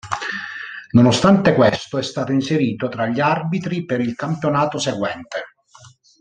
Nonostante questo, è stato inserito tra gli arbitri per il campionato seguente.